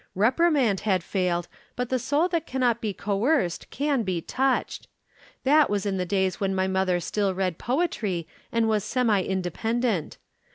Reprimand had failed, but the soul that cannot be coerced can be touched. That was in the days when my mother still read poetry and was semi independent.